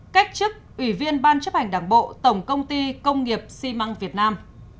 cách chức ủy viên ban chấp hành đảng bộ tổng công ty công nghiệp xi măng việt nam